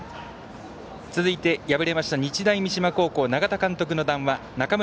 続いて敗れました日大三島高校永田監督の談話です。